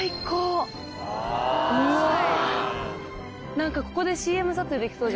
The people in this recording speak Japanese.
何かここで。